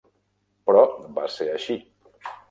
Però va ser així.